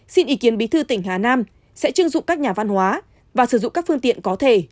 xin ý kiến bí thư tỉnh hà nam sẽ chưng dụng các nhà văn hóa và sử dụng các phương tiện có thể